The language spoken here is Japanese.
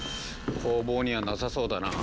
工房にはなさそうだな。